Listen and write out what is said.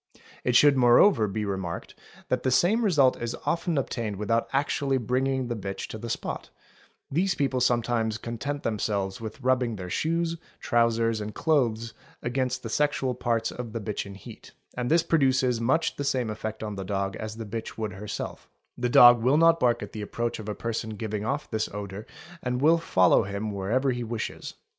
It should moreover be remarked that the same result is often obtained " without actually bringing the bitch to the spot; these people sometimes content themselves with rubbing their shoes, trousers, and clothes against q effect on the dog as the bitch would herself; the dog will not bark at the "approach of a person giving off this odour and will follow him wherever 'he wishes.